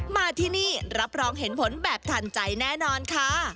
มาที่นี่รับรองเห็นผลแบบทันใจแน่นอนค่ะ